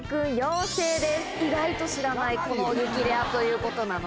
意外と知らないこの激レアということなので。